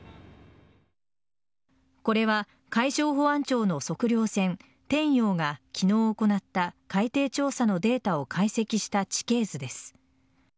これは海上保安庁の測量船「天洋」が昨日行った海底調査のデータを解析した地形図です。